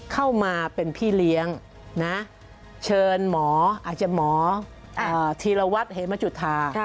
เข้ามาเป็นพี่เลี้ยงนะเชิญหมออาจจะหมอธีรวัตรเหมจุธา